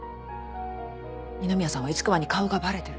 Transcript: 二宮さんは市川に顔がバレてる。